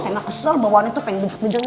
tengah kesel bawaan itu penggembet gembet